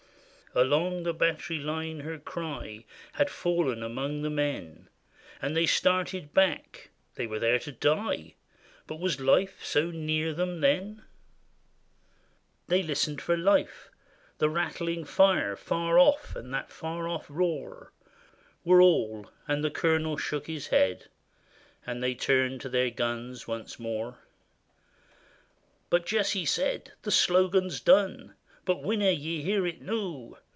Along the battery line her cry Had fallen among the men, And they started back; — they were there to die; But was life so near them, then? i8i INDIA They listened for life ; the rattling fire Far off, and that far off roar, Were all, and the colonel shook his head, And they turned to their guns once more. But Jessie said, "The slogan 's done; But winna ye hear it noo?